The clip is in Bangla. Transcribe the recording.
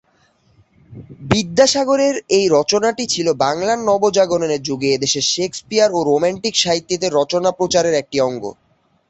বিদ্যাসাগরের এই রচনাটি ছিল বাংলার নবজাগরণের যুগে এদেশে শেকসপিয়র ও রোম্যান্টিক সাহিত্যিকদের রচনা প্রচারের একটি অঙ্গ।